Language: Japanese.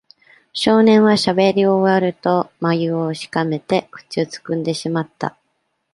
少年はしゃべり終わると、まゆをしかめて口をつぐんでしまった。